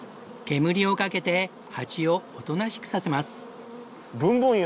煙をかけてハチをおとなしくさせます。